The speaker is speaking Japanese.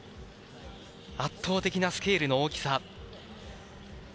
圧倒的なスケールの大きさ。